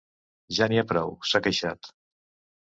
Ja n’hi ha prou, s’ha queixat.